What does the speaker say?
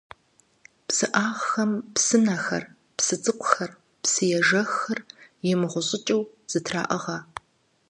ПсыӀагъхэм псынэр, псы цӀыкӀухэр, псышхуэ ежэххэр имыгъущыкӀыу зэтраӀыгъэ.